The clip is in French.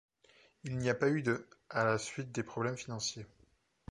Il n'y a pas eu de à la suite des problèmes financiers.